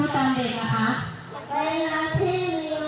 ขอบคุณครับ